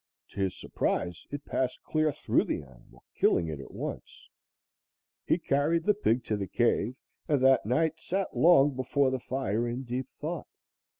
To his surprise, it passed clear through the animal, killing it at once. He carried the pig to the cave and that night sat long before the fire in deep thought.